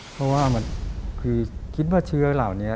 เพราะว่ามันคือคิดว่าเชื้อเหล่านี้